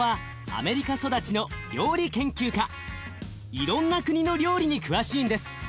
いろんな国の料理に詳しいんです。